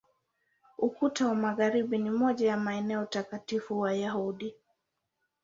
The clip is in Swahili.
Ukuta wa Magharibi ni moja ya maeneo takatifu Wayahudi.